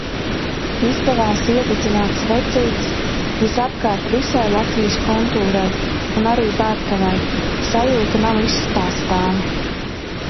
Izdevās iededzināt svecītes visapkārt visai Latvijas kontūrai. Un arī Barkavai. Sajūta nav izstāstāma.